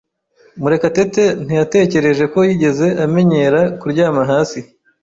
Murekatete ntiyatekereje ko yigeze amenyera kuryama hasi.